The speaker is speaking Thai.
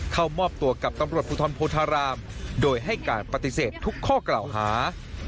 เข้ามอบตัวกับตำรวจภูทรโพธารามโดยให้การปฏิเสธทุกข้อกล่าวหา